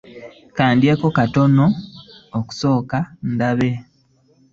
Ka ndyeko katono okusooka ndabe.